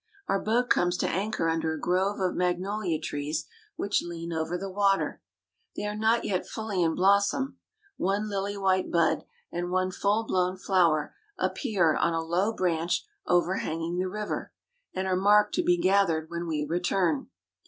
Our boat comes to anchor under a grove of magnolia trees which lean over the water. They are not yet fully in blossom. One lily white bud and one full blown flower appear on a low branch overhanging the river, and are marked to be gathered when we return.